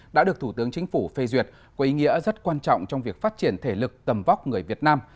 đã được thủ tướng chính phủ phê duyệt có ý nghĩa rất quan trọng trong việc phát triển thể lực tầm vóc người việt nam